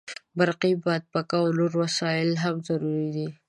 برقي بادپکه او نور وسایل هم ضروري دي.